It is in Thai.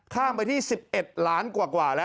ข้ามไปที่๑๑ล้านกว่าแล้ว